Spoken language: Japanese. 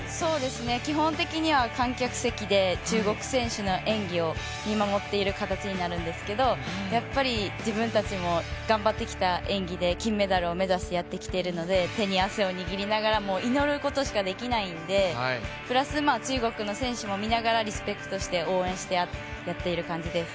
基本的には観客席で中国の選手の演技を見守っている感じになるんですけど自分たちも頑張ってきた演技で金メダルを目指してやってきているので、手に汗を握りながらも、祈ることしかできないのでプラス、中国の選手も見ながらリスペクトして応援してやっている感じです。